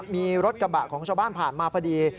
มีรถกระบะของชาวบ้านผ่านมาพอดี